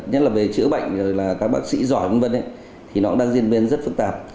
nhất là về chữa bệnh các bác sĩ giỏi v v thì nó cũng đang diên biến rất phức tạp